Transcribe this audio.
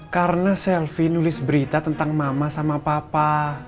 karena selfie nulis berita tentang mama sama papa